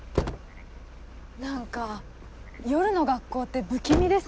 何か夜の学校って不気味ですね。